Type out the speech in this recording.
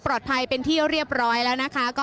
ปลอดภัยเป็นที่เรียบร้อยแล้ว